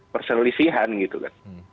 perselisihan gitu kan